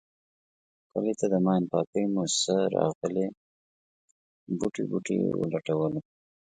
کلي ته د ماین پاکی موسیسه راغلې بوټی بوټی یې و لټولو.